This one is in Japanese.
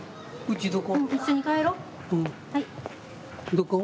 うん。どこ？